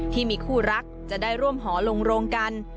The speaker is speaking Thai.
ที่มีคู่รักจะได้ร่วมหอลงโรงกัน